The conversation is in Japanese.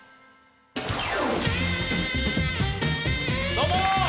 どうも！